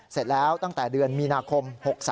เสร็จแล้วตั้งแต่เดือนมีนาคม๖๓